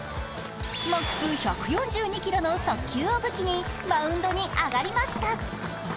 マックス１４２キロの速球を武器にマウンドに上がりました。